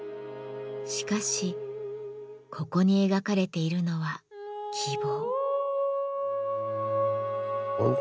しかしここに描かれているのは希望。